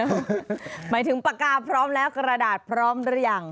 หมายถึงปากกาพร้อมแล้วกระดาษพร้อมหรือยัง